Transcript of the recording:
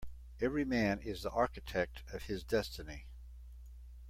Every man is the architect of his destiny.